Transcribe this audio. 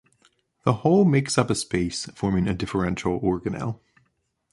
The whole makes up a space forming a differential organelle.